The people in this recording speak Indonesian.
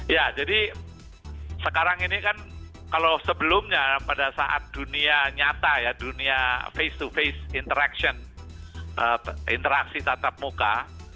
ya jadi sekarang ini kan kalau sebelumnya pada saat dunia nyata ya dunia face to face interaction interaksi tatap muka